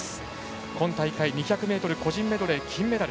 今大会２００ｍ個人メドレー金メダル。